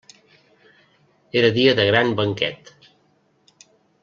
Era dia de gran banquet.